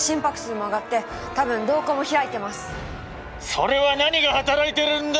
それは何がはたらいてるんだ？